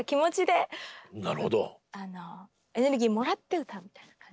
エネルギーもらって歌うみたいな感じ。